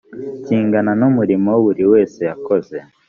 kingana n umurimo buri wese yakoze